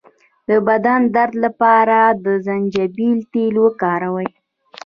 د بدن درد لپاره د زنجبیل تېل وکاروئ